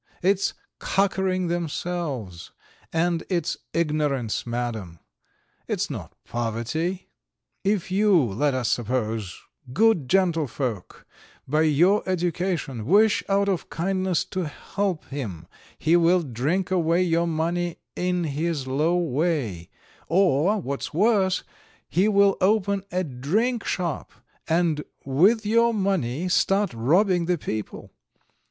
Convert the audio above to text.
It's cockering themselves, and it's ignorance, Madam, it's not poverty. If you, let us suppose, good gentlefolk, by your education, wish out of kindness to help him he will drink away your money in his low way; or, what's worse, he will open a drinkshop, and with your money start robbing the people.